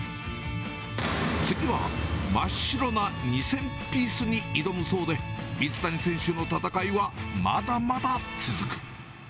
次は真っ白な２０００ピースに挑むそうで、水谷選手の戦いは、まだまだ続く。